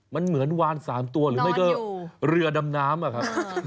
มันเหมือนวาน๓ตัวหรือไม่ก็เรือดำน้ำอะครับ